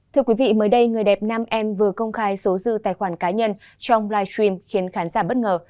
thưa quý vị mới đây người đẹp nam em vừa công khai số dư tài khoản cá nhân trong live stream khiến khán giả bất ngờ